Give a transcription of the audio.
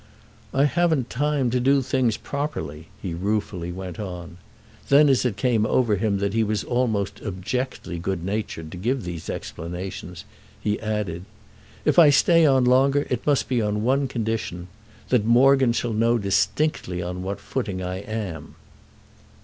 "I haven't time to do things properly," he ruefully went on. Then as it came over him that he was almost abjectly good natured to give these explanations he added: "If I stay on longer it must be on one condition—that Morgan shall know distinctly on what footing I am."